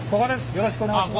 よろしくお願いします。